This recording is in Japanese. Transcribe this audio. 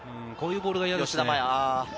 こういうボールが嫌ですね。